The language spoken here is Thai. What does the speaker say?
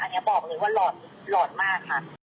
อันนี้บอกเลยว่าหล่อนมากค่ะ